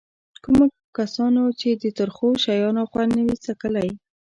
کومو کسانو چې د ترخو شیانو خوند نه وي څکلی.